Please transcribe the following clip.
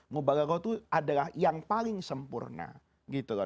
mubalalah itu adalah yang paling sempurna